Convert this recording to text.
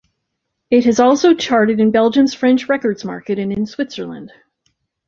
It has also charted in Belgium's French records market and in Switzerland.